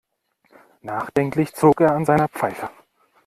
Nachdenklich zog er an seiner Pfeife.